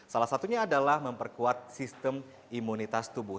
salah satunya adalah memperkuat sistem imunitas tubuh